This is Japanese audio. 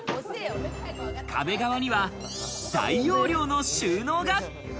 壁側には大容量の収納が。